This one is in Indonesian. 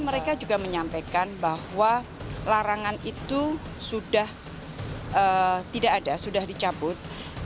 mereka juga menyampaikan bahwa larangan itu sudah tidak ada sudah dicabut